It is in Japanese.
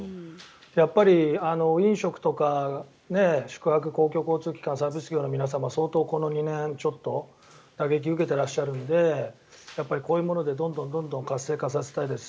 やっぱり飲食とか宿泊公共交通機関サービス業の皆様相当、この２年ちょっと打撃を受けているのでこういうものでどんどん活性化させたいです。